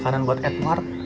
masakin makanan buat edward